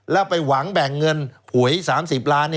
แล้วไปหวังแบ่งเงินหวย๓๐ล้าน